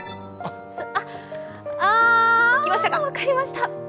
分かりました！